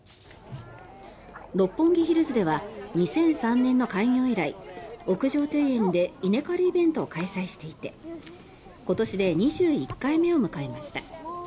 六本木ヒルズでは２００３年の開業以来屋上庭園で稲刈りイベントを開催していて今年で２１回目を迎えました。